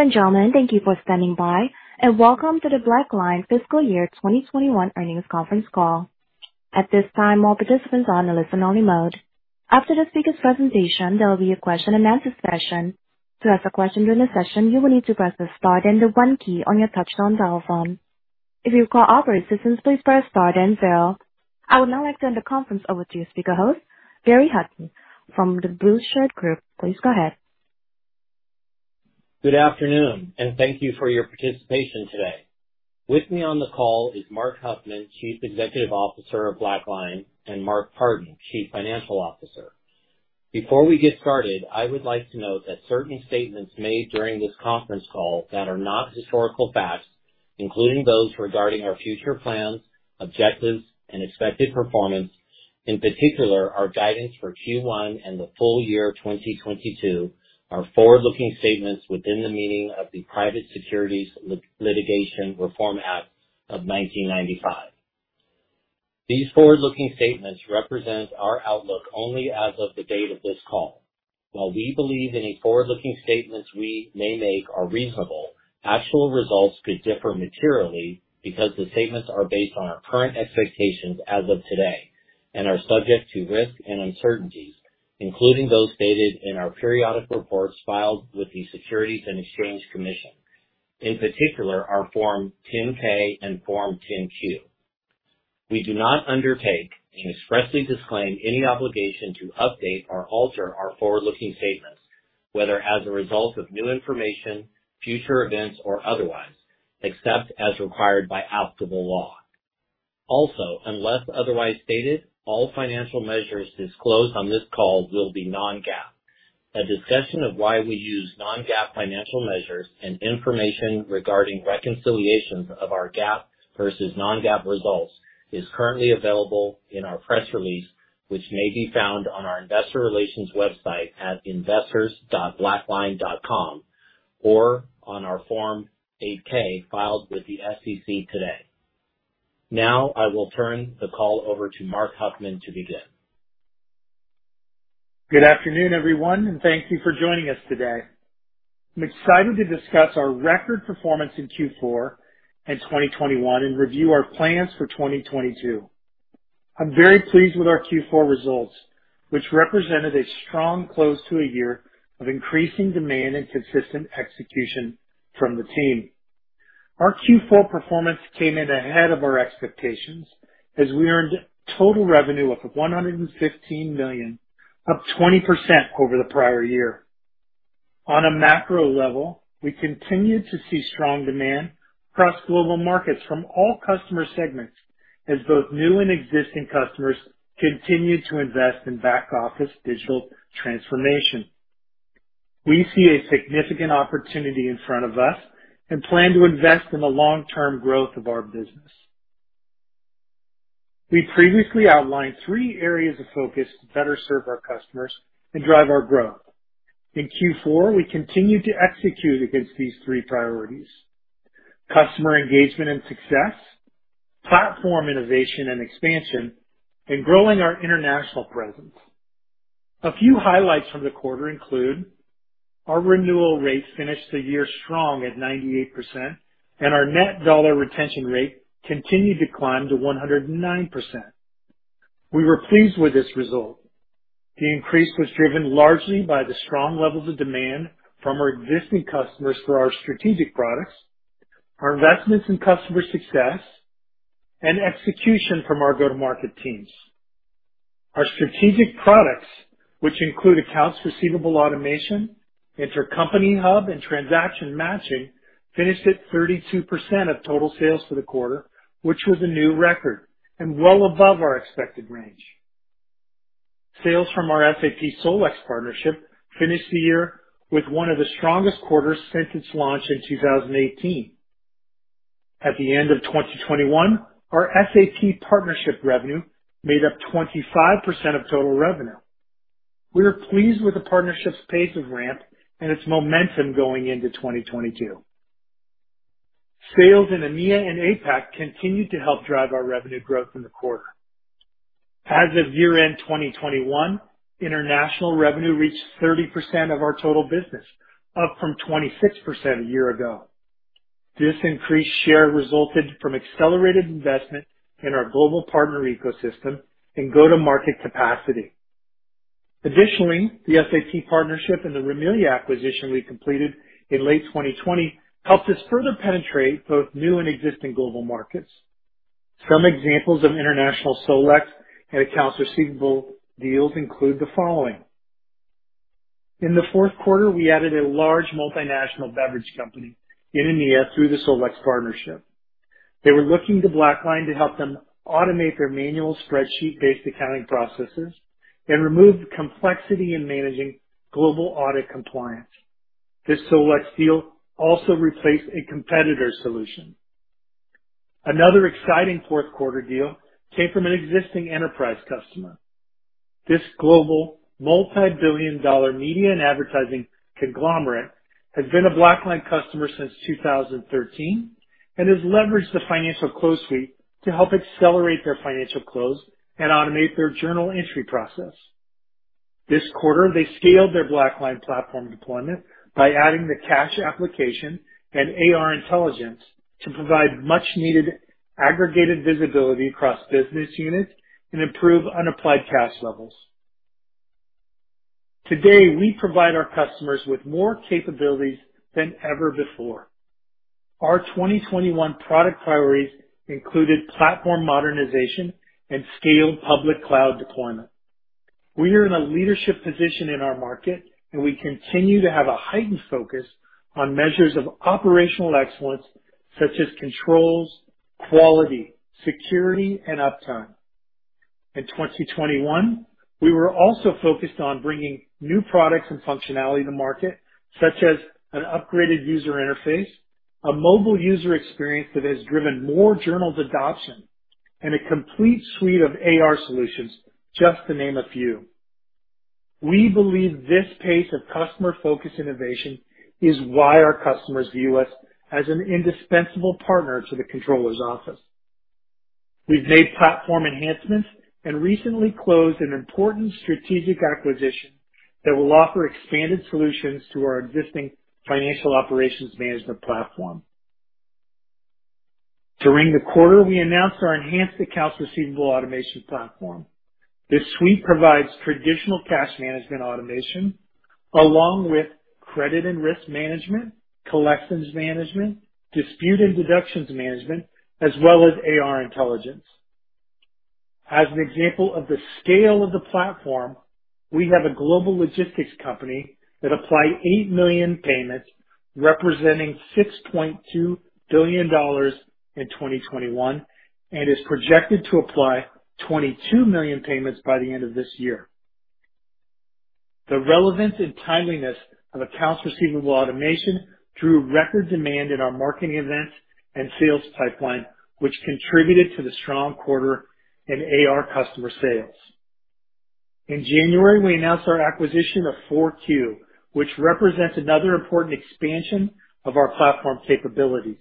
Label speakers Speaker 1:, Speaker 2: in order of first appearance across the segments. Speaker 1: Ladies and gentlemen, thank you for standing by, and welcome to the BlackLine Fiscal Year 2021 Earnings Conference Call. At this time, all participants are in a listen-only mode. After the speaker's presentation, there will be a question-and-answer session. To ask a question during the session, you will need to press the star then the one key on your touchtone telephone. If you require operator assistance, please press star then zero. I would now like to hand the conference over to your speaker host, Barry Hutton from The Blueshirt Group. Please go ahead.
Speaker 2: Good afternoon and thank you for your participation today. With me on the call is Marc Huffman, Chief Executive Officer of BlackLine, and Mark Partin, Chief Financial Officer. Before we get started, I would like to note that certain statements made during this conference call that are not historical facts, including those regarding our future plans, objectives, and expected performance, in particular, our guidance for Q1 and the full year of 2022 are forward-looking statements within the meaning of the Private Securities Litigation Reform Act of 1995. These forward-looking statements represent our outlook only as of the date of this call. While we believe any forward-looking statements we may make are reasonable, actual results could differ materially because the statements are based on our current expectations as of today and are subject to risks and uncertainties, including those stated in our periodic reports filed with the Securities and Exchange Commission, in particular our Form 10-K and Form 10-Q. We do not undertake and expressly disclaim any obligation to update or alter our forward-looking statements, whether as a result of new information, future events, or otherwise, except as required by applicable law. Also, unless otherwise stated, all financial measures disclosed on this call will be non-GAAP. A discussion of why we use non-GAAP financial measures and information regarding reconciliations of our GAAP versus non-GAAP results is currently available in our press release, which may be found on our investor relations website at investors.blackline.com or on our Form 8-K filed with the SEC today. Now I will turn the call over to Marc Huffman to begin.
Speaker 3: Good afternoon, everyone, and thank you for joining us today. I'm excited to discuss our record performance in Q4 and 2021 and review our plans for 2022. I'm very pleased with our Q4 results, which represented a strong close to a year of increasing demand and consistent execution from the team. Our Q4 performance came in ahead of our expectations as we earned total revenue of $115 million, up 20% over the prior year. On a macro level, we continued to see strong demand across global markets from all customer segments as both new and existing customers continued to invest in back office digital transformation. We see a significant opportunity in front of us and plan to invest in the long-term growth of our business. We previously outlined three areas of focus to better serve our customers and drive our growth. In Q4, we continued to execute against these three priorities: customer engagement and success, platform innovation and expansion, and growing our international presence. A few highlights from the quarter include our renewal rate finished the year strong at 98%, and our net dollar retention rate continued to climb to 109%. We were pleased with this result. The increase was driven largely by the strong levels of demand from our existing customers for our strategic products, our investments in customer success, and execution from our go-to-market teams. Our strategic products, which include Accounts Receivable Automation, Intercompany Hub, and Transaction Matching, finished at 32% of total sales for the quarter, which was a new record and well above our expected range. Sales from our SAP SolEx partnership finished the year with one of the strongest quarters since its launch in 2018. At the end of 2021, our SAP partnership revenue made up 25% of total revenue. We are pleased with the partnership's pace of ramp and its momentum going into 2022. Sales in EMEA and APAC continued to help drive our revenue growth in the quarter. As of year-end 2021, international revenue reached 30% of our total business, up from 26% a year ago. This increased share resulted from accelerated investment in our global partner ecosystem and go-to-market capacity. Additionally, the SAP partnership and the Rimilia acquisition we completed in late 2020 helped us further penetrate both new and existing global markets. Some examples of international select and accounts receivable deals include the following. In the fourth quarter, we added a large multinational beverage company in EMEA through the SolEx partnership. They were looking to BlackLine to help them automate their manual spreadsheet-based accounting processes and remove the complexity in managing global audit compliance. This SolEx deal also replaced a competitor solution. Another exciting fourth quarter deal came from an existing enterprise customer. This global multi-billion-dollar media and advertising conglomerate has been a BlackLine customer since 2013 and has leveraged the financial close suite to help accelerate their financial close and automate their journal entry process. This quarter, they scaled their BlackLine platform deployment by adding the Cash Application and AR Intelligence to provide much needed aggregated visibility across business units and improve unapplied cash levels. Today, we provide our customers with more capabilities than ever before. Our 2021 product priorities included platform modernization and scaled public cloud deployment. We are in a leadership position in our market, and we continue to have a heightened focus on measures of operational excellence such as controls, quality, security, and uptime. In 2021, we were also focused on bringing new products and functionality to market, such as an upgraded user interface, a mobile user experience that has driven more journaled adoption, and a complete suite of AR solutions, just to name a few. We believe this pace of customer-focused innovation is why our customers view us as an indispensable partner to the controller's office. We've made platform enhancements and recently closed an important strategic acquisition that will offer expanded solutions to our existing Financial Operations Management platform. During the quarter, we announced our enhanced Accounts Receivable Automation platform. This suite provides traditional cash management automation along with credit and risk management, collections management, dispute and deductions management, as well as AR Intelligence. As an example of the scale of the platform, we have a global logistics company that applied 8 million payments representing $6.2 billion in 2021, and is projected to apply 22 million payments by the end of this year. The relevance and timeliness of Accounts Receivable Automation drew record demand in our marketing events and sales pipeline, which contributed to the strong quarter in AR customer sales. In January, we announced our acquisition of 4Q, which represents another important expansion of our platform capabilities.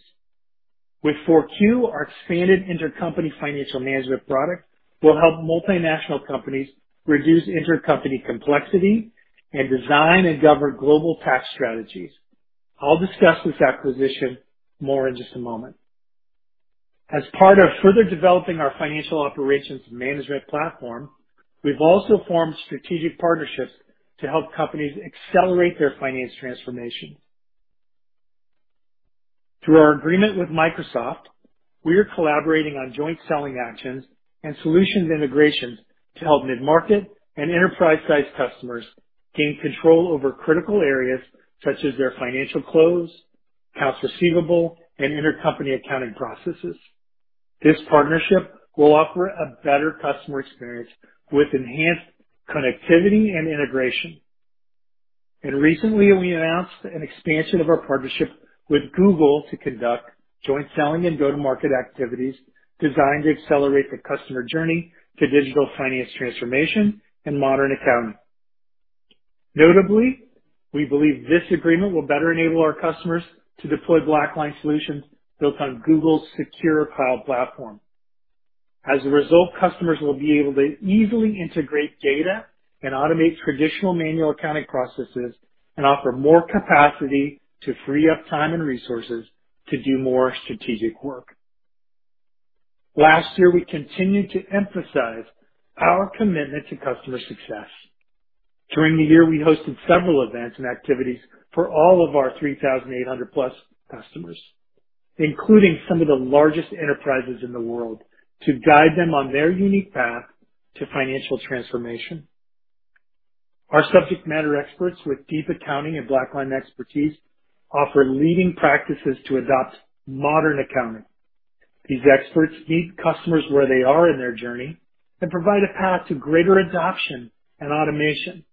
Speaker 3: With 4Q, our expanded Intercompany Financial Management product will help multinational companies reduce intercompany complexity and design and govern global tax strategies. I'll discuss this acquisition more in just a moment. As part of further developing our Financial Operations Management platform, we've also formed strategic partnerships to help companies accelerate their finance transformation. Through our agreement with Microsoft, we are collaborating on joint selling actions and solutions integrations to help mid-market and enterprise-sized customers gain control over critical areas such as their financial close, accounts receivable, and intercompany accounting processes. This partnership will offer a better customer experience with enhanced connectivity and integration. Recently, we announced an expansion of our partnership with Google to conduct joint selling and go-to-market activities designed to accelerate the customer journey to digital finance transformation and modern accounting. Notably, we believe this agreement will better enable our customers to deploy BlackLine solutions built on Google's secure cloud platform. As a result, customers will be able to easily integrate data and automate traditional manual accounting processes and offer more capacity to free up time and resources to do more strategic work. Last year, we continued to emphasize our commitment to customer success. During the year, we hosted several events and activities for all of our 3,800+ customers, including some of the largest enterprises in the world, to guide them on their unique path to financial transformation. Our subject matter experts with deep accounting and BlackLine expertise offer leading practices to adopt modern accounting. These experts meet customers where they are in their journey and provide a path to greater adoption and automation.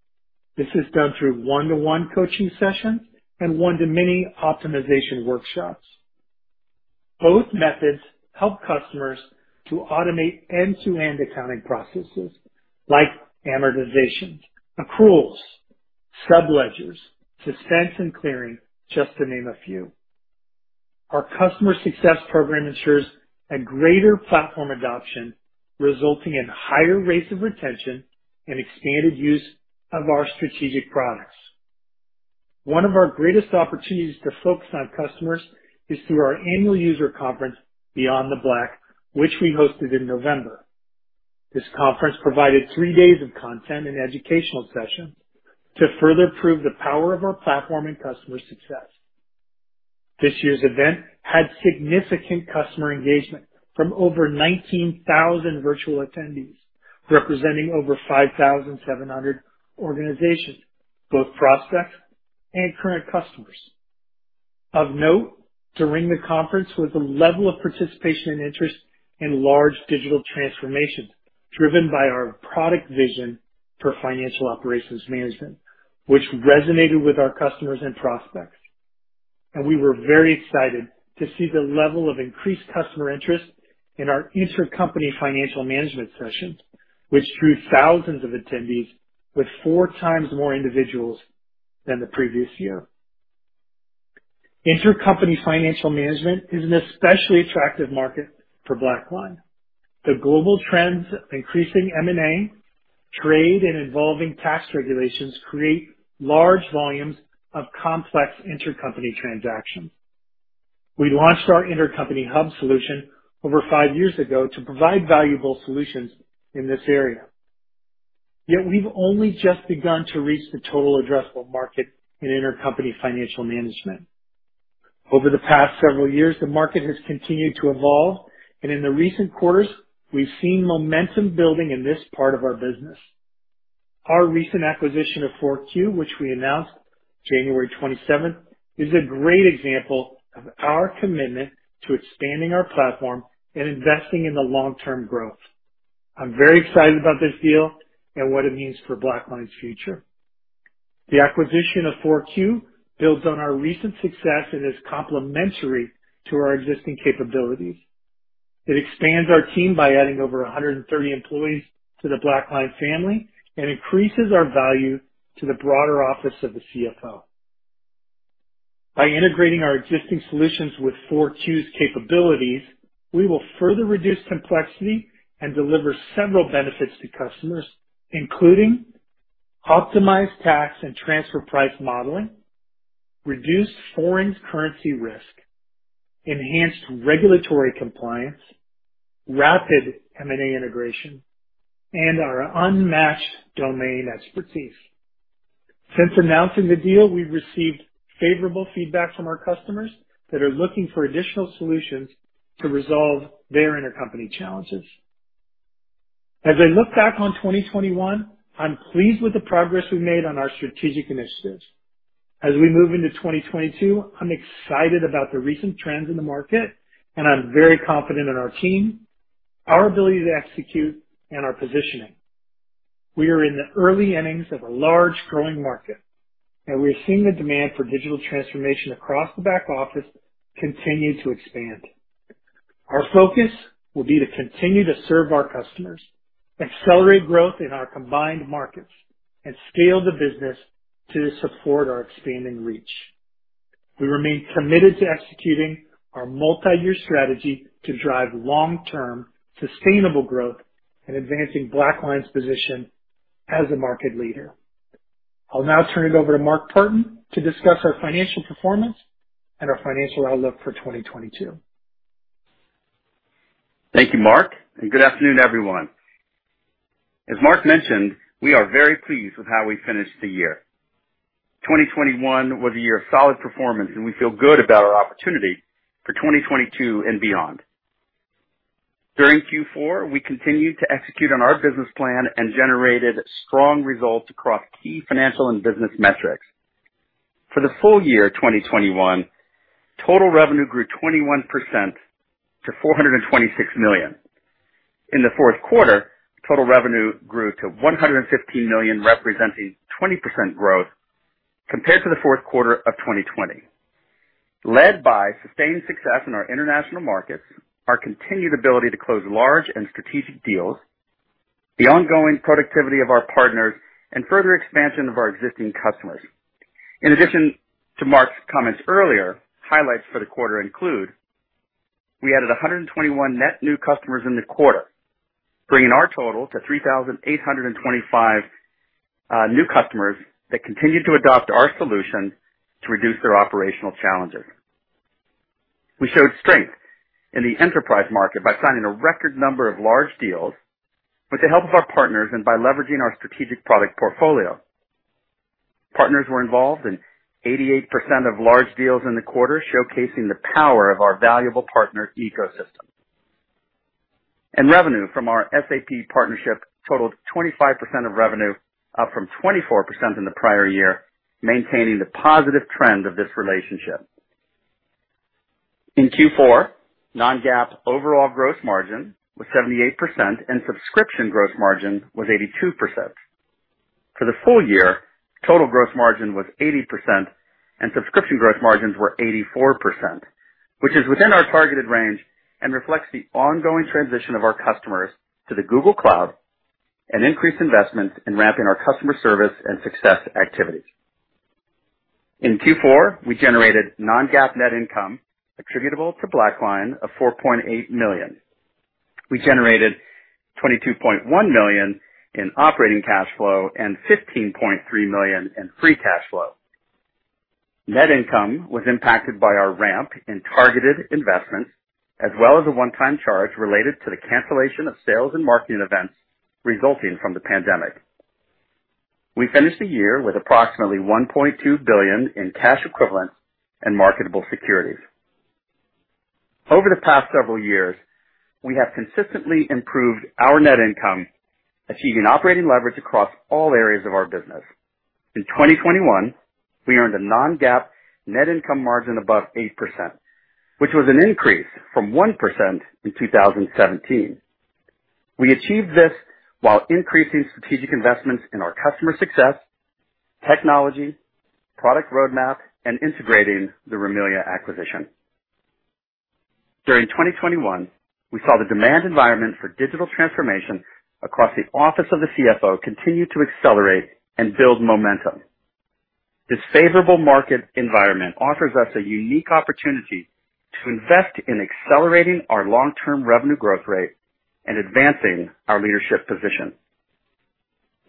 Speaker 3: This is done through one-to-one coaching sessions and one-to-many optimization workshops. Both methods help customers to automate end-to-end accounting processes like amortization, accruals, subledgers, suspense, and clearing, just to name a few. Our customer success program ensures a greater platform adoption, resulting in higher rates of retention and expanded use of our strategic products. One of our greatest opportunities to focus on customers is through our annual user conference, BeyondTheBlack, which we hosted in November. This conference provided three days of content and educational sessions to further prove the power of our platform and customer success. This year's event had significant customer engagement from over 19,000 virtual attendees, representing over 5,700 organizations, both prospects and current customers. Of note, during the conference was the level of participation and interest in large digital transformations driven by our product vision for Financial Operations Management, which resonated with our customers and prospects. We were very excited to see the level of increased customer interest in our Intercompany Financial Management sessions, which drew thousands of attendees with 4x more individuals than the previous year. Intercompany Financial Management is an especially attractive market for BlackLine. The global trends of increasing M&A, trade, and evolving tax regulations create large volumes of complex intercompany transactions. We launched our Intercompany Hub solution over five years ago to provide valuable solutions in this area. Yet we've only just begun to reach the total addressable market in Intercompany Financial Management. Over the past several years, the market has continued to evolve, and in the recent quarters, we've seen momentum building in this part of our business. Our recent acquisition of 4Q, which we announced January 27th, is a great example of our commitment to expanding our platform and investing in the long-term growth. I'm very excited about this deal and what it means for BlackLine's future. The acquisition of 4Q builds on our recent success and is complementary to our existing capabilities. It expands our team by adding over 130 employees to the BlackLine family and increases our value to the broader office of the CFO. By integrating our existing solutions with 4Q's capabilities, we will further reduce complexity and deliver several benefits to customers, including optimized tax and transfer price modeling, reduced foreign currency risk, enhanced regulatory compliance, rapid M&A integration, and our unmatched domain expertise. Since announcing the deal, we've received favorable feedback from our customers that are looking for additional solutions to resolve their intercompany challenges. As I look back on 2021, I'm pleased with the progress we've made on our strategic initiatives. As we move into 2022, I'm excited about the recent trends in the market, and I'm very confident in our team, our ability to execute, and our positioning. We are in the early innings of a large growing market, and we are seeing the demand for digital transformation across the back office continue to expand. Our focus will be to continue to serve our customers, accelerate growth in our combined markets, and scale the business to support our expanding reach. We remain committed to executing our multi-year strategy to drive long-term sustainable growth and advancing BlackLine's position as a market leader. I'll now turn it over to Mark Partin to discuss our financial performance and our financial outlook for 2022.
Speaker 4: Thank you, Marc, and good afternoon, everyone. As Marc mentioned, we are very pleased with how we finished the year. 2021 was a year of solid performance, and we feel good about our opportunity for 2022 and beyond. During Q4, we continued to execute on our business plan and generated strong results across key financial and business metrics. For the full year of 2021, total revenue grew 21% to $426 million. In the fourth quarter, total revenue grew to $115 million, representing 20% growth compared to the fourth quarter of 2020, led by sustained success in our international markets, our continued ability to close large and strategic deals, the ongoing productivity of our partners, and further expansion of our existing customers. In addition to Marc's comments earlier, highlights for the quarter include we added 121 net new customers in the quarter, bringing our total to 3,825 new customers that continued to adopt our solution to reduce their operational challenges. We showed strength in the enterprise market by signing a record number of large deals with the help of our partners and by leveraging our strategic product portfolio. Partners were involved in 88% of large deals in the quarter, showcasing the power of our valuable partner ecosystem. Revenue from our SAP partnership totaled 25% of revenue, up from 24% in the prior year, maintaining the positive trend of this relationship. In Q4, non-GAAP overall gross margin was 78%, and subscription gross margin was 82%. For the full year, total gross margin was 80%, and subscription gross margins were 84%, which is within our targeted range and reflects the ongoing transition of our customers to the Google Cloud and increased investments in ramping our customer service and success activities. In Q4, we generated non-GAAP net income attributable to BlackLine of $4.8 million. We generated $22.1 million in operating cash flow and $15.3 million in free cash flow. Net income was impacted by our ramp in targeted investments as well as a one-time charge related to the cancellation of sales and marketing events resulting from the pandemic. We finished the year with approximately $1.2 billion in cash equivalents and marketable securities. Over the past several years, we have consistently improved our net income, achieving operating leverage across all areas of our business. In 2021, we earned a non-GAAP net income margin above 8%, which was an increase from 1% in 2017. We achieved this while increasing strategic investments in our customer success, technology, product roadmap, and integrating the Rimilia acquisition. During 2021, we saw the demand environment for digital transformation across the office of the CFO continue to accelerate and build momentum. This favorable market environment offers us a unique opportunity to invest in accelerating our long-term revenue growth rate and advancing our leadership position.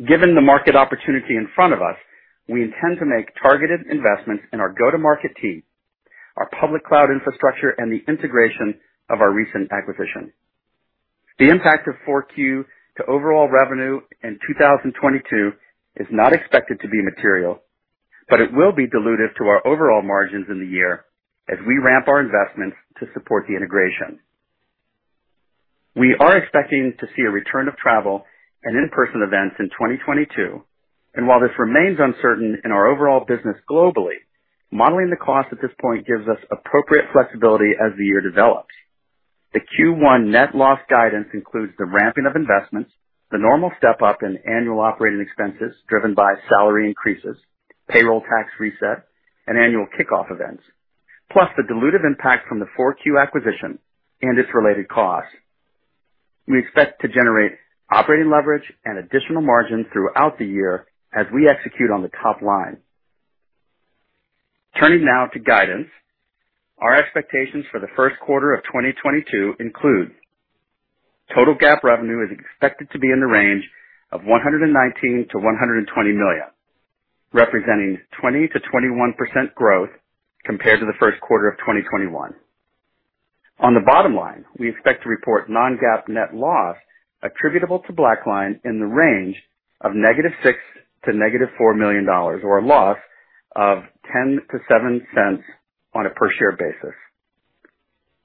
Speaker 4: Given the market opportunity in front of us, we intend to make targeted investments in our go-to-market team, our public cloud infrastructure, and the integration of our recent acquisition. The impact of 4Q to overall revenue in 2022 is not expected to be material, but it will be dilutive to our overall margins in the year as we ramp our investments to support the integration. We are expecting to see a return of travel and in-person events in 2022. While this remains uncertain in our overall business globally, modeling the cost at this point gives us appropriate flexibility as the year develops. The Q1 net loss guidance includes the ramping of investments, the normal step up in annual operating expenses driven by salary increases, payroll tax reset, and annual kickoff events, plus the dilutive impact from the 4Q acquisition and its related costs. We expect to generate operating leverage and additional margin throughout the year as we execute on the top line. Turning now to guidance. Our expectations for the first quarter of 2022 include total GAAP revenue expected to be in the range of $119 million-$120 million, representing 20%-21% growth compared to the first quarter of 2021. On the bottom line, we expect to report non-GAAP net loss attributable to BlackLine in the range of -$6 million to -$4 million, or a loss of $0.10-$0.07 on a per share basis.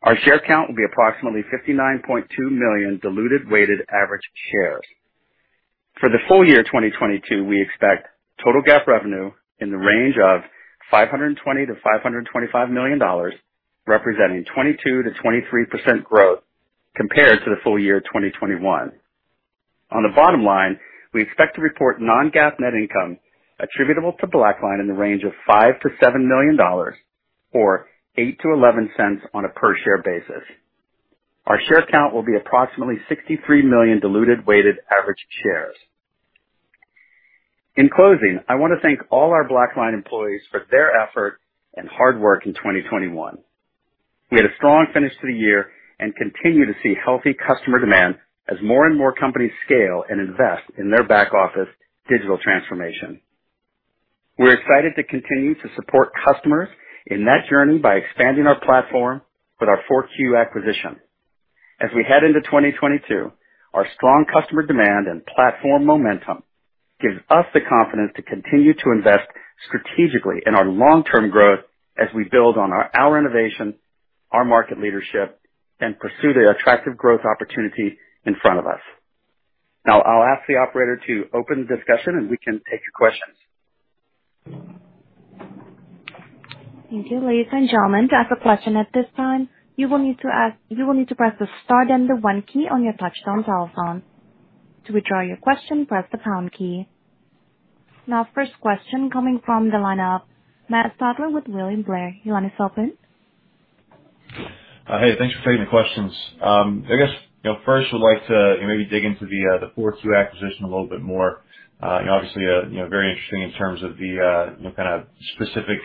Speaker 4: Our share count will be approximately 59.2 million diluted weighted average shares. For the full year 2022, we expect total GAAP revenue in the range of $520 million-$525 million, representing 22%-23% growth compared to the full year 2021. On the bottom line, we expect to report non-GAAP net income attributable to BlackLine in the range of $5 million-$7 million, or $0.08-$0.11 on a per share basis. Our share count will be approximately 63 million diluted weighted average shares. In closing, I want to thank all our BlackLine employees for their effort and hard work in 2021. We had a strong finish to the year and continue to see healthy customer demand as more and more companies scale and invest in their back office digital transformation. We're excited to continue to support customers in that journey by expanding our platform with our 4Q acquisition. As we head into 2022, our strong customer demand and platform momentum gives us the confidence to continue to invest strategically in our long-term growth as we build on our innovation, our market leadership, and pursue the attractive growth opportunity in front of us. Now I'll ask the operator to open the discussion, and we can take your questions.
Speaker 1: Thank you. Ladies and gentlemen, to ask a question at this time, you will need to press the star then the one key on your touchtone telephone. To withdraw your question, press the pound key. Now, first question coming from the lineup, Matt Stotler with William Blair. Your line is open.
Speaker 5: Hey, thanks for taking the questions. I guess, you know, first would like to maybe dig into the 4Q acquisition a little bit more. Obviously, you know, very interesting in terms of the kind of specific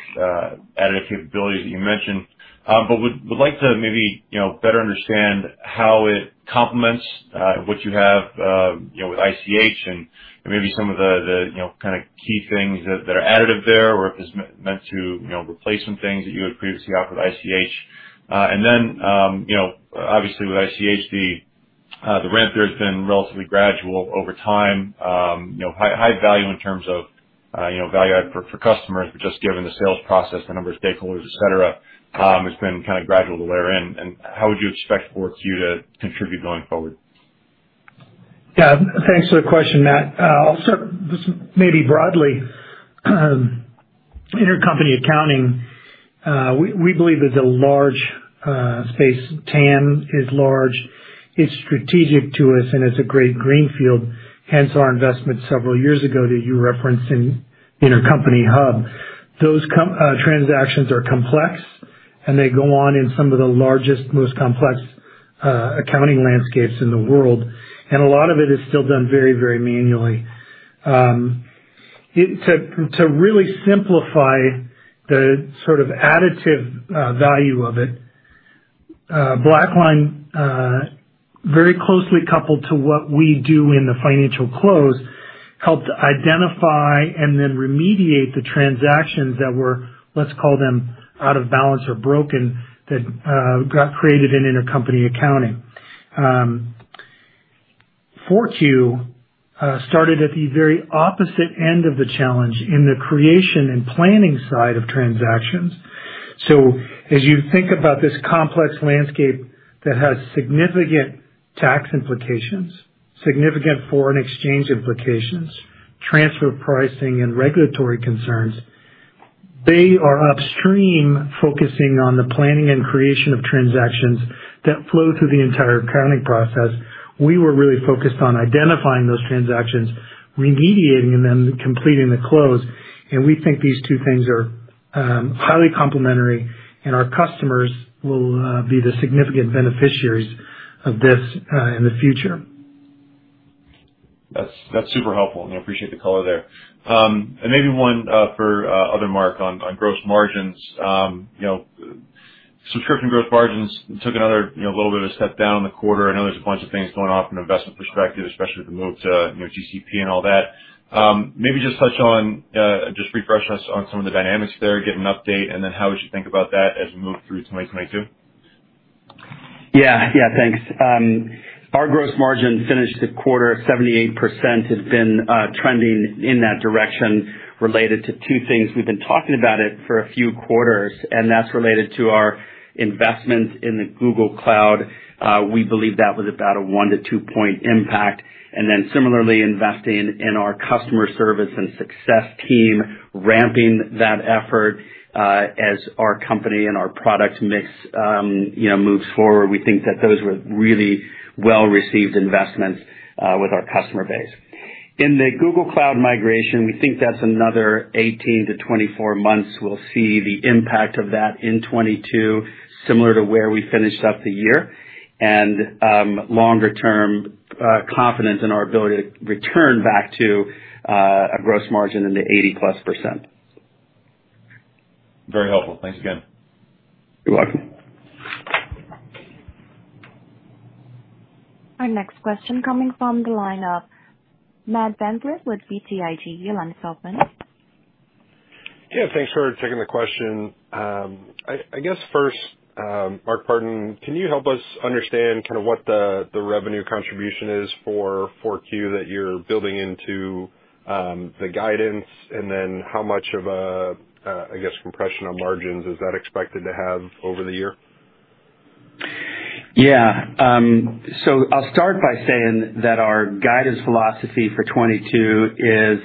Speaker 5: added capabilities that you mentioned. Would like to maybe, you know, better understand how it complements what you have, you know, with ICH and maybe some of the you know kind of key things that are additive there or if it's meant to, you know, replace some things that you had previously offered in ICH. You know, obviously with ICH, the ramp there has been relatively gradual over time. You know, high value in terms of, you know, value add for customers, but just given the sales process, the number of stakeholders, et cetera, it's been kind of gradual to layer in. How would you expect 4Q to contribute going forward?
Speaker 3: Yeah, thanks for the question, Matt. I'll start this maybe broadly. Intercompany accounting, we believe is a large space. TAM is large. It's strategic to us and it's a great greenfield, hence our investment several years ago that you referenced in Intercompany Hub. Transactions are complex and they go on in some of the largest, most complex accounting landscapes in the world. A lot of it is still done very, very manually. To really simplify the sort of additive value of it, BlackLine, very closely coupled to what we do in the financial close, helped identify and then remediate the transactions that were, let's call them out of balance or broken, that got created in intercompany accounting. 4Q started at the very opposite end of the challenge in the creation and planning side of transactions. As you think about this complex landscape that has significant tax implications, significant foreign exchange implications, transfer pricing and regulatory concerns, they are upstream, focusing on the planning and creation of transactions that flow through the entire accounting process. We were really focused on identifying those transactions, remediating them, completing the close, and we think these two things are highly complementary and our customers will be the significant beneficiaries of this in the future.
Speaker 5: That's super helpful. I appreciate the color there. Maybe one for other Mark on gross margins. You know, subscription gross margins took another you know little bit of a step down in the quarter. I know there's a bunch of things going on from an investment perspective, especially with the move to you know GCP and all that. Maybe just touch on just refresh us on some of the dynamics there, give an update, and then how we should think about that as we move through 2022.
Speaker 4: Yeah. Thanks. Our gross margin finished the quarter 78%. It had been trending in that direction related to two things. We've been talking about it for a few quarters, and that's related to our investments in the Google Cloud. We believe that was about a one-two-point impact. Then similarly, investing in our customer service and success team, ramping that effort, as our company and our product mix, you know, moves forward. We think that those were really well-received investments with our customer base. In the Google Cloud migration, we think that's another 18-24 months we'll see the impact of that in 2022, similar to where we finished up the year. Longer term, confidence in our ability to return back to a gross margin in the 80%+.
Speaker 5: Very helpful. Thanks again.
Speaker 4: You're welcome.
Speaker 1: Our next question coming from the line of Matt VanVliet with BTIG. Your line is open.
Speaker 6: Yeah, thanks for taking the question. I guess first, Mark Partin, can you help us understand kind of what the revenue contribution is for 4Q that you're building into the guidance? How much of a, I guess, compression on margins is that expected to have over the year?
Speaker 4: Yeah. I'll start by saying that our guidance philosophy for 2022 is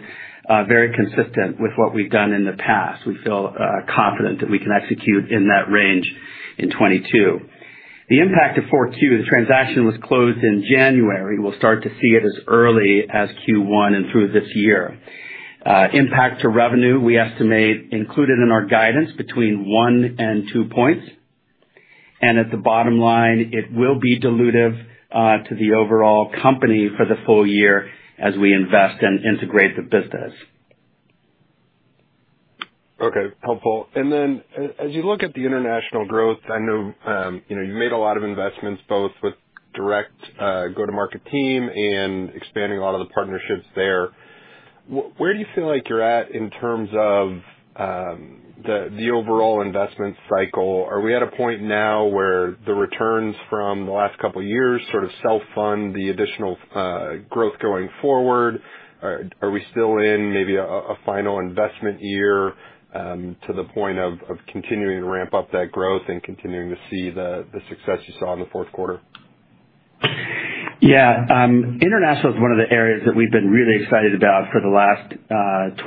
Speaker 4: very consistent with what we've done in the past. We feel confident that we can execute in that range in 2022. The impact of 4Q, the transaction was closed in January. We'll start to see it as early as Q1 2022 and through this year. Impact to revenue, we estimate included in our guidance between 1%-2%. At the bottom line, it will be dilutive to the overall company for the full year as we invest and integrate the business.
Speaker 6: Okay. Helpful. As you look at the international growth, I know, you know, you made a lot of investments, both with direct go-to-market team and expanding a lot of the partnerships there. Where do you feel like you're at in terms of the overall investment cycle? Are we at a point now where the returns from the last couple of years sort of self-fund the additional growth going forward? Are we still in maybe a final investment year to the point of continuing to ramp up that growth and continuing to see the success you saw in the fourth quarter?
Speaker 4: Yeah, international is one of the areas that we've been really excited about for the last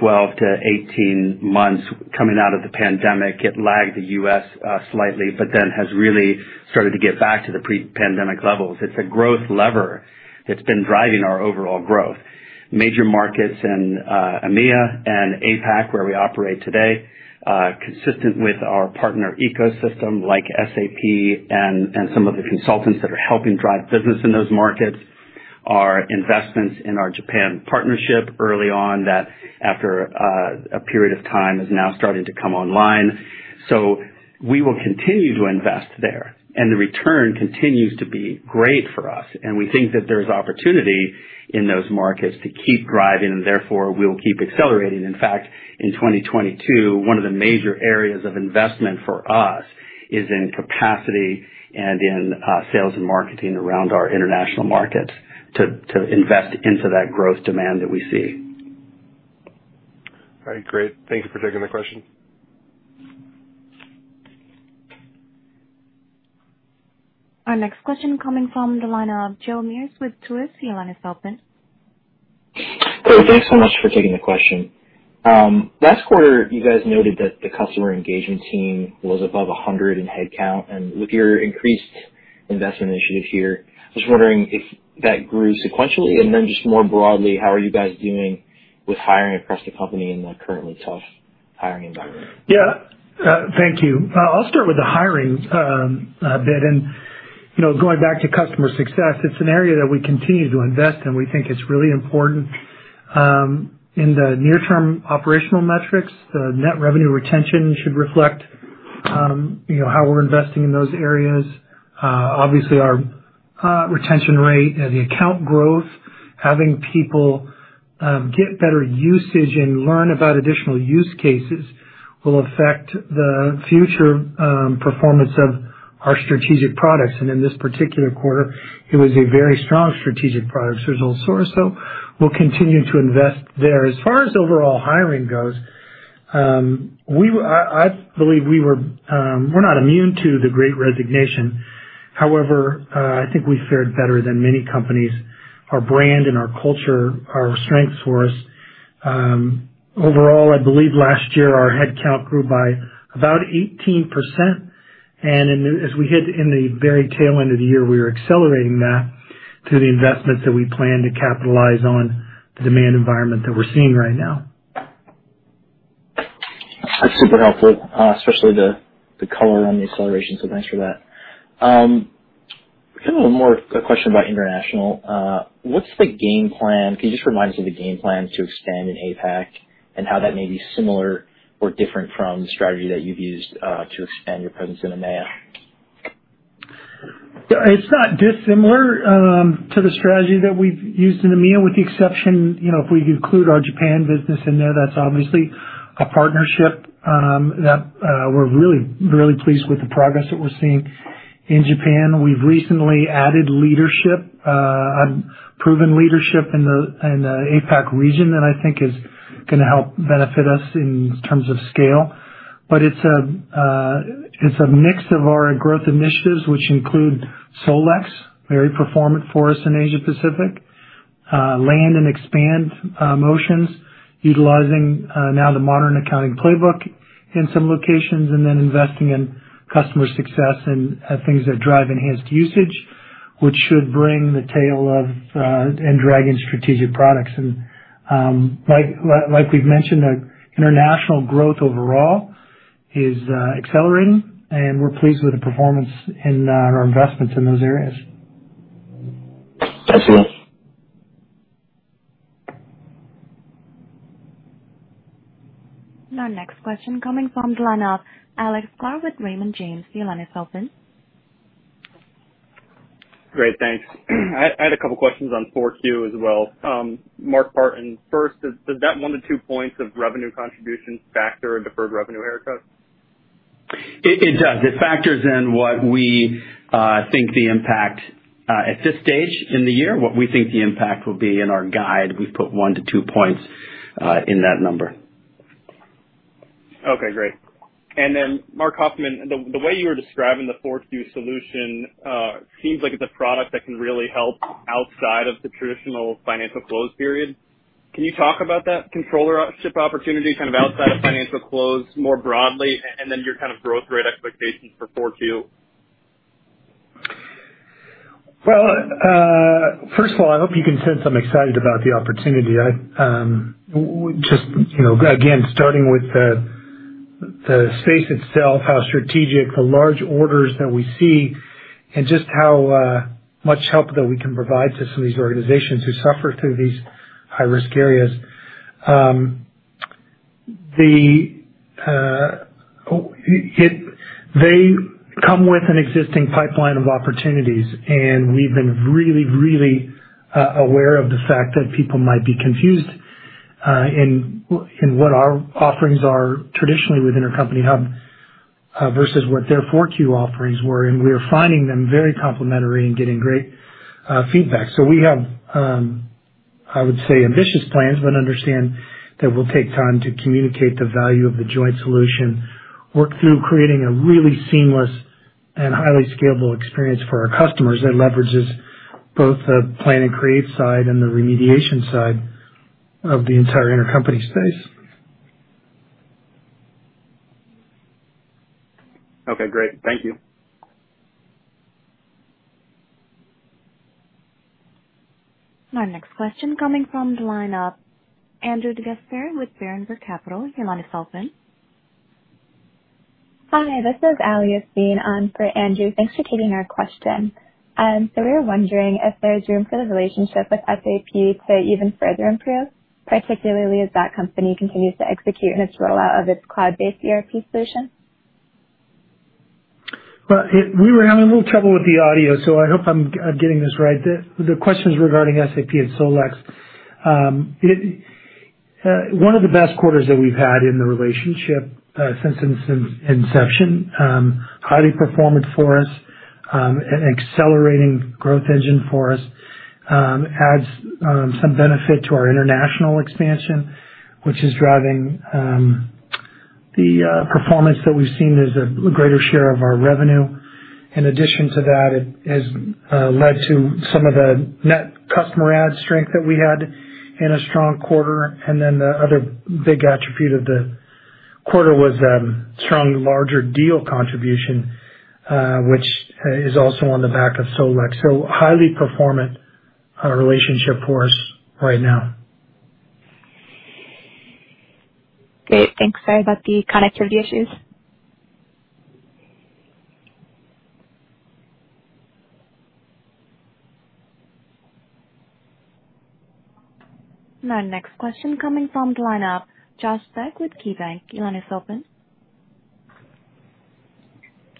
Speaker 4: 12-18 months. Coming out of the pandemic, it lagged the U.S. slightly but then has really started to get back to the pre-pandemic levels. It's a growth lever that's been driving our overall growth. Major markets in EMEA and APAC, where we operate today, consistent with our partner ecosystem like SAP and some of the consultants that are helping drive business in those markets. Our investments in our Japan partnership early on that after a period of time is now starting to come online. We will continue to invest there, and the return continues to be great for us. We think that there's opportunity in those markets to keep driving, and therefore we'll keep accelerating. In fact, in 2022, one of the major areas of investment for us is in capacity and in sales and marketing around our international markets to invest into that growth demand that we see.
Speaker 6: All right. Great. Thank you for taking the question.
Speaker 1: Our next question coming from the line of Joe Meares with Truist. Your line is open.
Speaker 7: Hey, thanks so much for taking the question. Last quarter, you guys noted that the customer engagement team was above 100 in headcount. With your increased investment initiative here, I was wondering if that grew sequentially. Just more broadly, how are you guys doing with hiring across the company in the currently tough hiring environment?
Speaker 3: Thank you. I'll start with the hiring bit. You know, going back to customer success, it's an area that we continue to invest in. We think it's really important in the near-term operational metrics. The net revenue retention should reflect, you know, how we're investing in those areas. Obviously, our retention rate and the account growth, having people get better usage and learn about additional use cases will affect the future performance of our strategic products. In this particular quarter, it was a very strong strategic product, [Digital Source]. We'll continue to invest there. As far as overall hiring goes, I believe we're not immune to the Great Resignation. However, I think we fared better than many companies. Our brand and our culture are strengths for us. Overall, I believe last year our headcount grew by about 18%. As we hit the very tail end of the year, we were accelerating that to the investments that we plan to capitalize on the demand environment that we're seeing right now.
Speaker 7: That's super helpful, especially the color on the acceleration, so thanks for that. A question about international. What's the game plan? Can you just remind us of the game plan to expand in APAC and how that may be similar or different from the strategy that you've used to expand your presence in EMEA?
Speaker 3: Yeah. It's not dissimilar to the strategy that we've used in EMEA, with the exception, you know, if we include our Japan business in there, that's obviously a partnership that we're really, really pleased with the progress that we're seeing in Japan. We've recently added leadership, proven leadership in the APAC region that I think is gonna help benefit us in terms of scale. It's a mix of our growth initiatives, which include SolEx, very performant for us in Asia-Pacific, land and expand motions utilizing now the Modern Accounting Playbook in some locations and then investing in customer success and things that drive enhanced usage, which should bring the tail of and drag in strategic products. Like we've mentioned, our international growth overall is accelerating, and we're pleased with the performance in our investments in those areas.
Speaker 7: Excellent.
Speaker 1: Our next question coming from the line of Alex Sklar with Raymond James. Your line is open.
Speaker 8: Great. Thanks. I had a couple questions on 4Q as well. Mark Partin first. Does that 1-2 points of revenue contribution factor in deferred revenue, haircut?
Speaker 4: It does. It factors in what we think the impact at this stage in the year, what we think the impact will be in our guide. We've put 1-2 points in that number.
Speaker 8: Okay. Great. Then Marc Huffman, the way you were describing the 4Q solution seems like it's a product that can really help outside of the traditional financial close period. Can you talk about that controllership opportunity kind of outside of financial close more broadly and then your kind of growth rate expectations for 4Q?
Speaker 3: Well, first of all, I hope you can sense I'm excited about the opportunity. We just, you know, again, starting with the space itself, how strategic the large orders that we see and just how much help that we can provide to some of these organizations who suffer through these high-risk areas. They come with an existing pipeline of opportunities, and we've been really aware of the fact that people might be confused in what our offerings are traditionally within Intercompany Hub versus what their 4Q offerings were. We're finding them very complementary and getting great feedback. We have, I would say ambitious plans, but understand that we'll take time to communicate the value of the joint solution, work through creating a really seamless and highly scalable experience for our customers that leverages both the plan and create side and the remediation side of the entire intercompany space.
Speaker 8: Okay. Great. Thank you.
Speaker 1: Our next question coming from the line of Andrew DeGasperi with Berenberg Capital Markets. Your line is open.
Speaker 9: Hi, this is Ali Yaseen on for Andrew DeGasperi. Thanks for taking our question. We were wondering if there's room for the relationship with SAP to even further improve, particularly as that company continues to execute in its rollout of its cloud-based ERP solution.
Speaker 3: Well, we were having a little trouble with the audio, so I hope I'm getting this right. The question's regarding SAP and SolEx. It's one of the best quarters that we've had in the relationship since its inception, highly performant for us, an accelerating growth engine for us, adds some benefit to our international expansion, which is driving the performance that we've seen as a greater share of our revenue. In addition to that, it has led to some of the net customer add strength that we had in a strong quarter. Then the other big attribute of the quarter was strong larger deal contribution, which is also on the back of SolEx. Highly performant relationship for us right now.
Speaker 9: Great. Thanks. Sorry about the connectivity issues.
Speaker 1: Our next question coming from the line of Josh Beck with KeyBanc. Your line is open.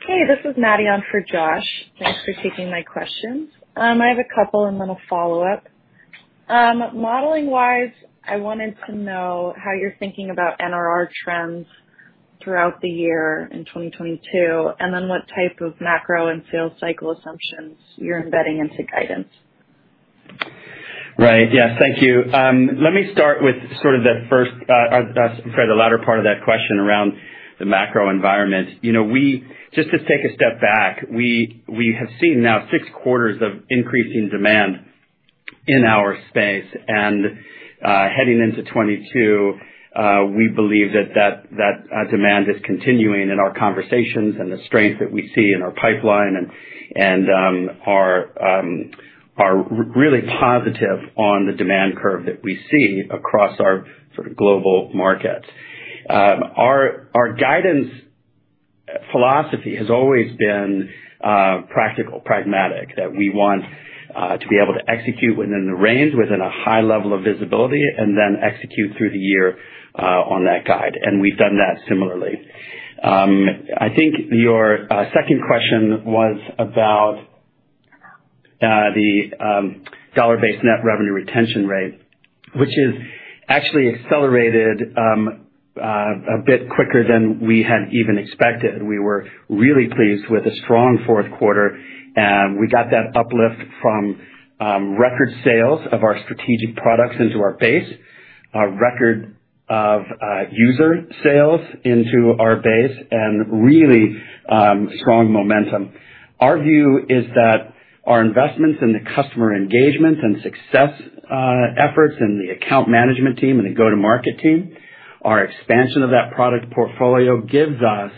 Speaker 10: Hey, this is Maddie on for Josh. Thanks for taking my questions. I have a couple and then a follow-up. Modeling-wise, I wanted to know how you're thinking about NRR trends throughout the year in 2022, and then what type of macro and sales cycle assumptions you're embedding into guidance.
Speaker 4: Right. Yes. Thank you. Let me start with sort of the latter part of that question around the macro environment. You know, just to take a step back, we have seen now six quarters of increasing demand in our space. Heading into 2022, we believe that demand is continuing in our conversations and the strength that we see in our pipeline and are really positive on the demand curve that we see across our sort of global markets. Our guidance philosophy has always been practical, pragmatic, that we want to be able to execute within the range, within a high level of visibility and then execute through the year on that guide. We've done that similarly. I think your second question was about the dollar-based net revenue retention rate, which is actually accelerated a bit quicker than we had even expected. We were really pleased with a strong fourth quarter. We got that uplift from record sales of our strategic products into our base, a record of user sales into our base, and really strong momentum. Our view is that our investments in the customer engagement and success efforts and the account management team and the go-to-market team, our expansion of that product portfolio gives us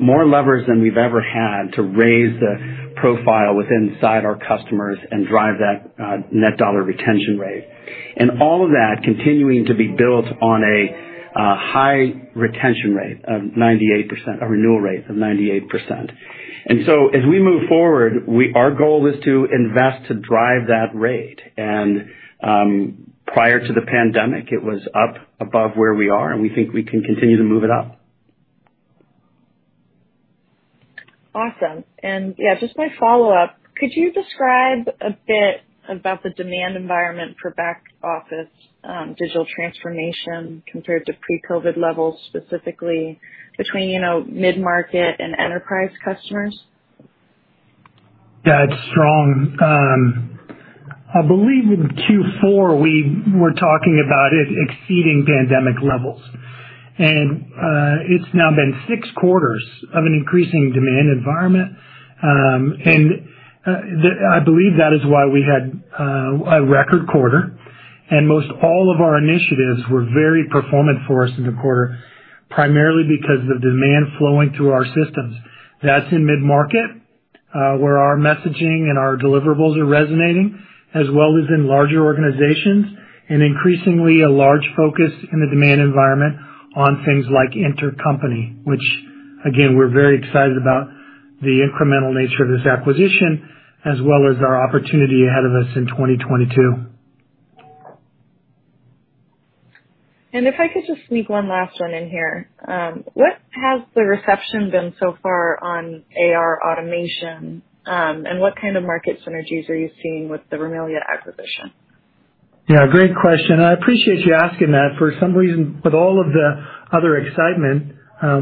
Speaker 4: more levers than we've ever had to raise the profile inside our customers and drive that net dollar retention rate. All of that continuing to be built on a high retention rate of 98% or renewal rate of 98%. As we move forward, our goal is to invest to drive that rate. Prior to the pandemic, it was up above where we are, and we think we can continue to move it up.
Speaker 10: Awesome. Yeah, just my follow-up, could you describe a bit about the demand environment for back office digital transformation compared to pre-COVID levels, specifically between, you know, mid-market and enterprise customers?
Speaker 3: That's strong. I believe in Q4, we were talking about it exceeding pandemic levels. It's now been six quarters of an increasing demand environment. I believe that is why we had a record quarter. Most all of our initiatives were very performant for us in the quarter, primarily because of the demand flowing through our systems. That's in mid-market, where our messaging and our deliverables are resonating, as well as in larger organizations, and increasingly a large focus in the demand environment on things like intercompany, which again, we're very excited about the incremental nature of this acquisition, as well as our opportunity ahead of us in 2022.
Speaker 10: If I could just sneak one last one in here. What has the reception been so far on AR automation, and what kind of market synergies are you seeing with the Rimilia acquisition?
Speaker 3: Yeah, great question. I appreciate you asking that. For some reason, with all of the other excitement,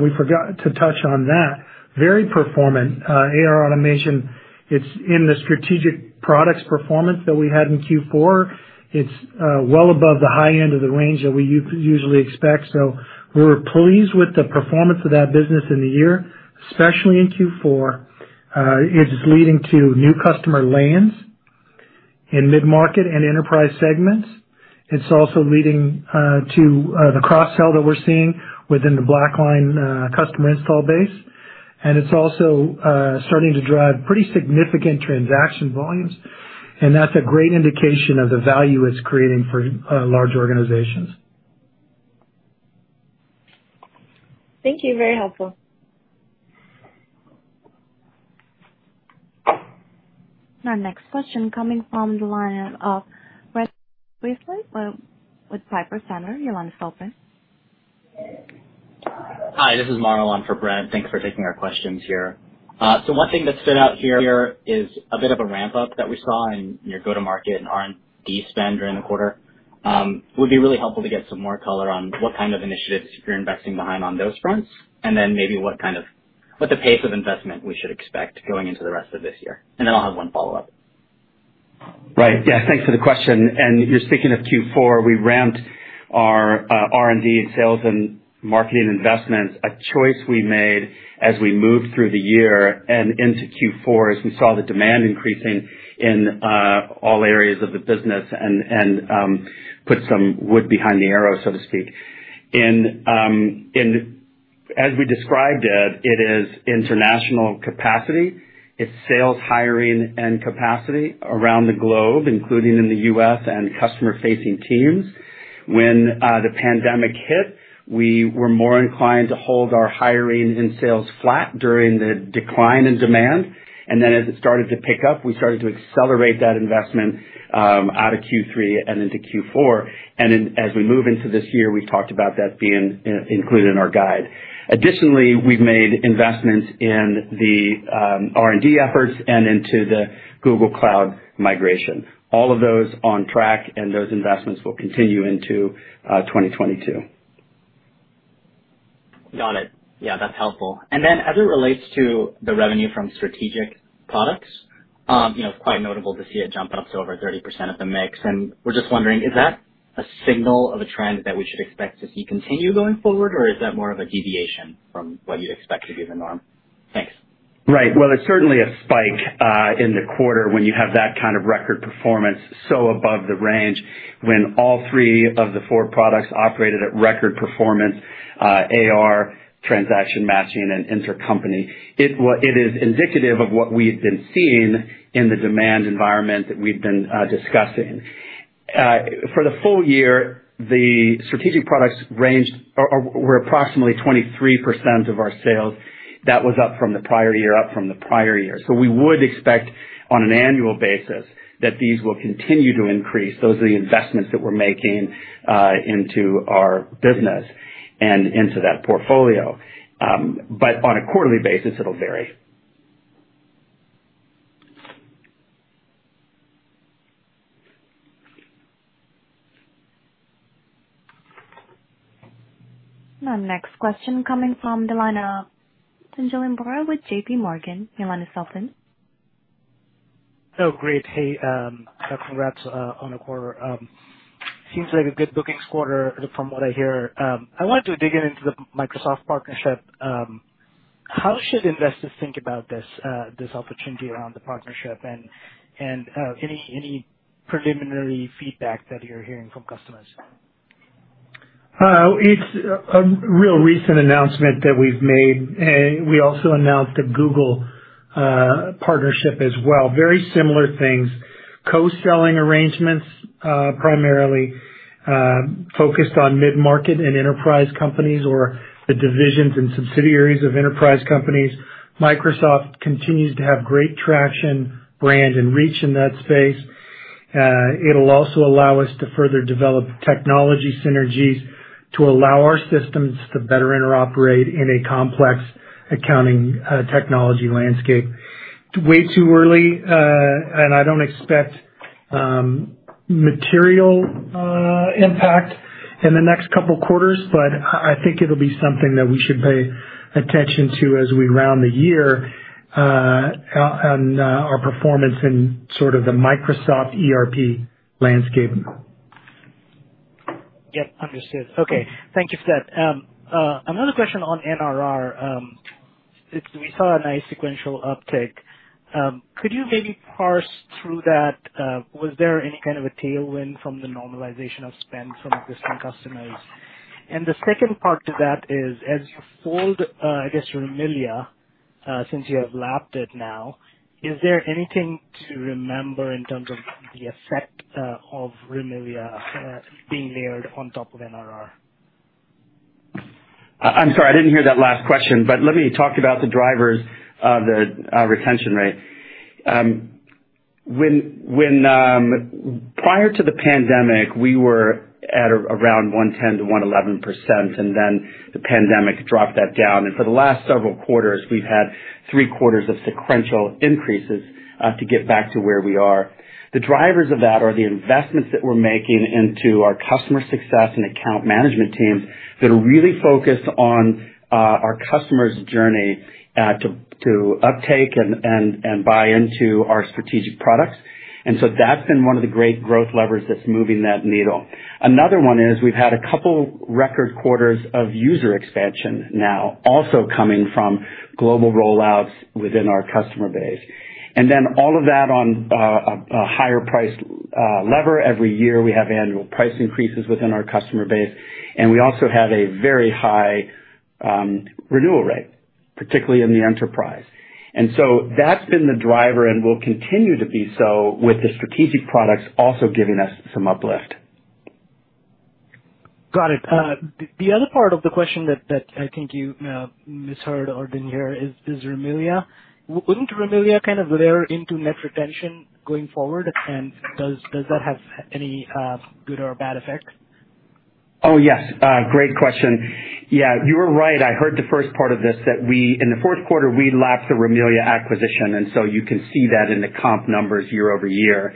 Speaker 3: we forgot to touch on that. Very performant AR automation. It's in the strategic products performance that we had in Q4. It's well above the high end of the range that we usually expect. So, we're pleased with the performance of that business in the year, especially in Q4. It's leading to new customer lands in mid-market and enterprise segments. It's also leading to the cross-sell that we're seeing within the BlackLine customer install base. It's also starting to drive pretty significant transaction volumes, and that's a great indication of the value it's creating for large organizations.
Speaker 10: Thank you. Very helpful.
Speaker 1: Our next question coming from the line of Brent Bracelin with Piper Sandler. Your line is open.
Speaker 11: Hi, this is Marlon for Brent. Thanks for taking our questions here. So, one thing that stood out here is a bit of a ramp-up that we saw in your go-to-market and R&D spend during the quarter. Would be really helpful to get some more color on what kind of initiatives you're investing behind on those fronts, and then maybe what the pace of investment we should expect going into the rest of this year. Then I'll have one follow-up.
Speaker 4: Right. Yeah. Thanks for the question. You're speaking of Q4. We ramped our R&D sales and marketing investments, a choice we made as we moved through the year and into Q4, as we saw the demand increasing in all areas of the business and put some wood behind the arrow, so to speak. As we described it is international capacity. It's sales, hiring and capacity around the globe, including in the U.S. and customer-facing teams. When the pandemic hit, we were more inclined to hold our hiring and sales flat during the decline in demand, and then as it started to pick up, we started to accelerate that investment out of Q3 and into Q4. As we move into this year, we've talked about that being included in our guide. Additionally, we've made investments in the R&D efforts and into the Google Cloud migration. All of those on track, and those investments will continue into 2022.
Speaker 11: Got it. Yeah, that's helpful. As it relates to the revenue from strategic products, you know, it's quite notable to see it jump up to over 30% of the mix. We're just wondering, is that a signal of a trend that we should expect to see continue going forward, or is that more of a deviation from what you'd expect to be the norm? Thanks.
Speaker 4: Right. Well, it's certainly a spike in the quarter when you have that kind of record performance so above the range when all three of the four products operated at record performance, AR, Transaction Matching and Intercompany. It is indicative of what we've been seeing in the demand environment that we've been discussing. For the full year, the strategic products were approximately 23% of our sales. That was up from the prior year. We would expect on an annual basis that these will continue to increase. Those are the investments that we're making into our business and into that portfolio. On a quarterly basis, it'll vary.
Speaker 1: Our next question coming from the line of Pinjalim Bora with JPMorgan. Your line is open.
Speaker 12: Oh, great. Hey, so congrats on the quarter. Seems like a good booking quarter from what I hear. I wanted to dig into the Microsoft partnership. How should investors think about this opportunity around the partnership and any preliminary feedback that you're hearing from customers?
Speaker 3: It's a real recent announcement that we've made. We also announced a Google partnership as well. Very similar things. Co-selling arrangements, primarily, focused on mid-market and enterprise companies or the divisions and subsidiaries of enterprise companies. Microsoft continues to have great traction, brand, and reach in that space. It'll also allow us to further develop technology synergies to allow our systems to better interoperate in a complex accounting technology landscape. Way too early. I don't expect material impact in the next couple quarters, but I think it'll be something that we should pay attention to as we round the year, on our performance in sort of the Microsoft ERP landscape.
Speaker 12: Yeah. Understood. Okay. Thank you for that. Another question on NRR. We saw a nice sequential uptick. Could you maybe parse through that? Was there any kind of a tailwind from the normalization of spend from existing customers? The second part to that is, as you fold, I guess, Rimilia, since you have lapped it now, is there anything to remember in terms of the effect of Rimilia being layered on top of NRR?
Speaker 4: I'm sorry, I didn't hear that last question, but let me talk about the drivers of the retention rate. When prior to the pandemic, we were at around 110%-111%, and then the pandemic dropped that down. For the last several quarters, we've had three quarters of sequential increases to get back to where we are. The drivers of that are the investments that we're making into our customer success and account management teams that are really focused on our customer's journey to uptake and buy into our strategic products. That's been one of the great growth levers that's moving that needle. Another one is we've had a couple record quarters of user expansion now, also coming from global rollouts within our customer base. All of that on a higher priced lever. Every year, we have annual price increases within our customer base, and we also have a very high renewal rate, particularly in the enterprise. That's been the driver and will continue to be so with the strategic products also giving us some uplift.
Speaker 12: Got it. The other part of the question that I think you misheard or didn't hear is Rimilia. Wouldn't Rimilia kind of layer into net retention going forward? Does that have any good or bad effects?
Speaker 4: Oh, yes. Great question. Yeah, you were right. I heard the first part of this, that in the fourth quarter, we lapped the Rimilia acquisition, and so you can see that in the comp numbers year-over-year.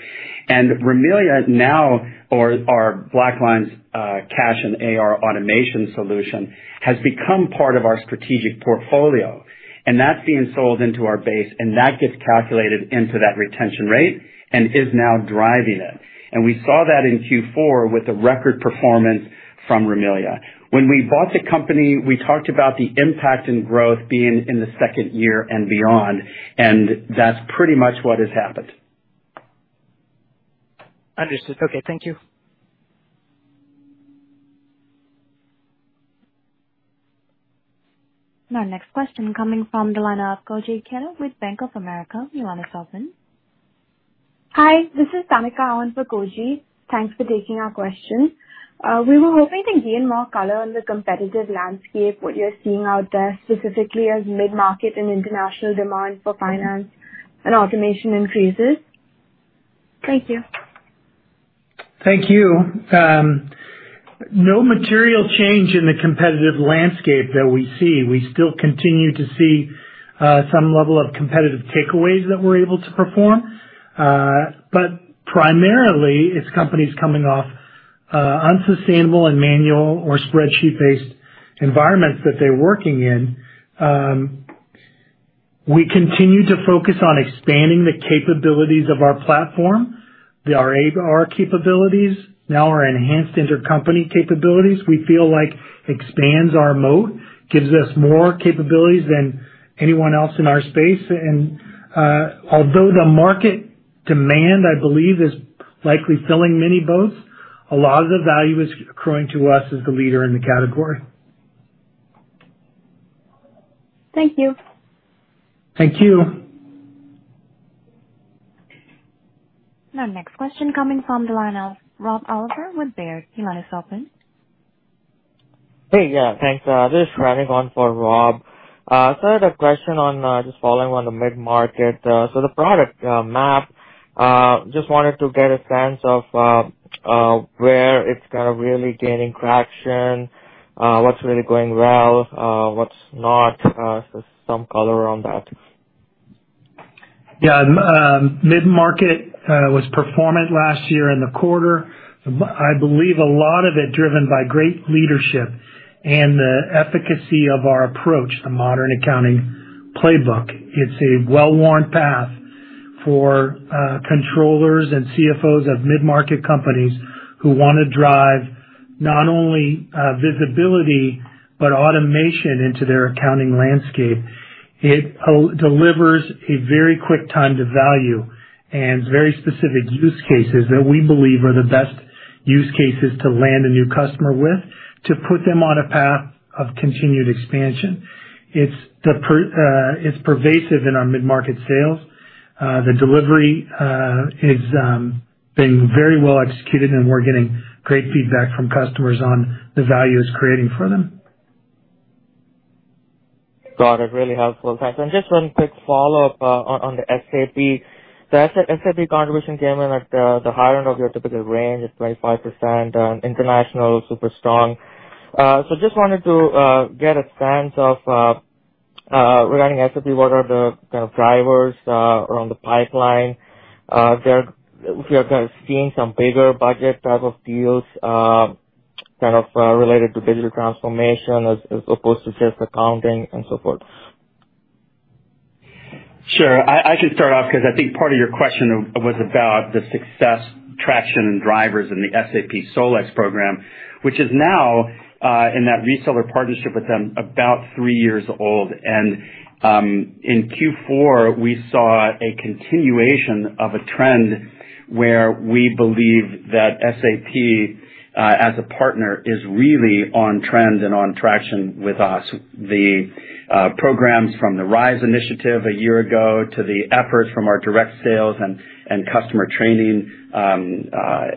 Speaker 4: Rimilia now, or our BlackLine's cash and AR automation solution, has become part of our strategic portfolio. That's being sold into our base, and that gets calculated into that retention rate and is now driving it. We saw that in Q4 with a record performance from Rimilia. When we bought the company, we talked about the impact in growth being in the second year and beyond, and that's pretty much what has happened.
Speaker 12: Understood. Okay. Thank you.
Speaker 1: Our next question coming from the line of Koji Ikeda with Bank of America. Your line is open.
Speaker 13: Hi, this is Tamika on for Koji. Thanks for taking our question. We were hoping to gain more color on the competitive landscape, what you're seeing out there specifically as mid-market and international demand for finance and automation increases. Thank you.
Speaker 3: Thank you. No material change in the competitive landscape that we see. We still continue to see some level of competitive takeaways that we're able to perform. But primarily it's companies coming off unsustainable and manual or spreadsheet-based environments that they're working in. We continue to focus on expanding the capabilities of our platform, our AR capabilities, now our enhanced intercompany capabilities. We feel like it expands our moat, gives us more capabilities than anyone else in our space. Although the market demand, I believe, is likely lifting many boats, a lot of the value is accruing to us as the leader in the category.
Speaker 1: Thank you.
Speaker 3: Thank you.
Speaker 1: Our next question coming from the line of Rob Oliver with Baird. Your line is open.
Speaker 14: Hey. Yeah, thanks. This is Randy on for Rob. I had a question on just following on the mid-market. The product MAP just wanted to get a sense of where it's kind of really gaining traction, what's really going well, what's not. Some color around that.
Speaker 3: Yeah. Mid-market was performant last year in the quarter. I believe a lot of it driven by great leadership and the efficacy of our approach, the Modern Accounting Playbook. It's a well-worn path for controllers and CFOs of mid-market companies who wanna drive not only visibility but automation into their accounting landscape. It delivers a very quick time to value and very specific use cases that we believe are the best use cases to land a new customer with to put them on a path of continued expansion. It's pervasive in our mid-market sales. The delivery is being very well executed, and we're getting great feedback from customers on the value it's creating for them.
Speaker 14: Got it. Really helpful. Thanks. Just one quick follow-up on the SAP. The SAP contribution came in at the higher end of your typical range at 25% on international, super strong. So just wanted to get a sense of regarding SAP, what are the kind of drivers around the pipeline? If you're kind of seeing some bigger budget type of deals, kind of related to digital transformation as opposed to just accounting and so forth.
Speaker 4: Sure. I should start off 'cause I think part of your question was about the success traction and drivers in the SAP SolEx program, which is now in that reseller partnership with them, about three years old. In Q4, we saw a continuation of a trend where we believe that SAP as a partner is really on trend and on traction with us. The programs from the RISE initiative a year ago to the efforts from our direct sales and customer training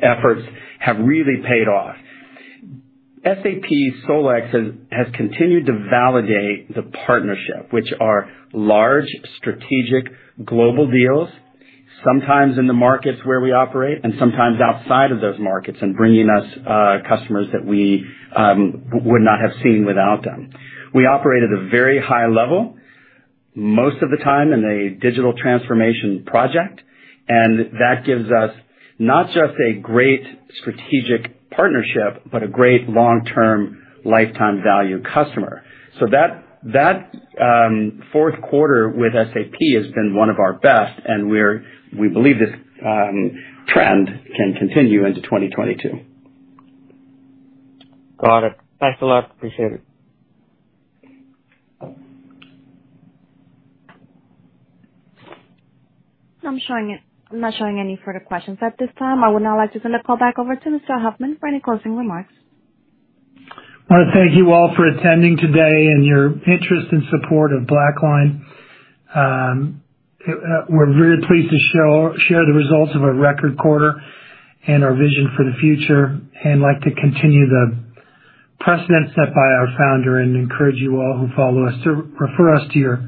Speaker 4: efforts have really paid off. SAP SolEx has continued to validate the partnership, which are large strategic global deals, sometimes in the markets where we operate and sometimes outside of those markets and bringing us customers that we would not have seen without them. We operate at a very high level, most of the time in a digital transformation project, and that gives us not just a great strategic partnership, but a great long-term lifetime value customer. That fourth quarter with SAP has been one of our best, and we believe this trend can continue into 2022.
Speaker 14: Got it. Thanks a lot. Appreciate it.
Speaker 1: I'm showing it. I'm not showing any further questions at this time. I would now like to turn the call back over to Mr. Huffman for any closing remarks.
Speaker 3: I wanna thank you all for attending today and your interest and support of BlackLine. We're really pleased to show, share the results of our record quarter and our vision for the future and like to continue the precedent set by our founder and encourage you all who follow us to refer us to your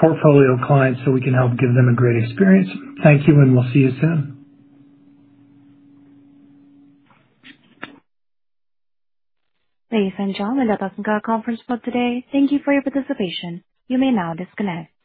Speaker 3: portfolio clients so we can help give them a great experience. Thank you, and we'll see you soon.
Speaker 1: Ladies and gentlemen, that does conclude our conference call today. Thank you for your participation. You may now disconnect.